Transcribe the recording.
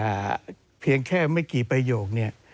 คำพูดเพียงแค่ไม่กี่ประโยคนี้